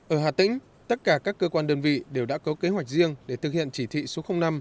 ở hà tĩnh tất cả các cơ quan đơn vị đều đã có kế hoạch riêng để thực hiện chỉ thị số năm